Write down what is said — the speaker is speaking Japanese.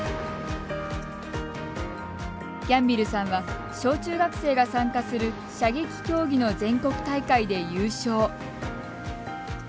ギャンビルさんは小中学生が参加する射撃競技の全国大会で優勝。